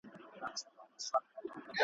کاظم خان شیدا کارولي دي !.